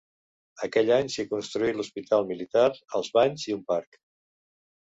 Aquell any s'hi construí l'hospital militar, els banys i un parc.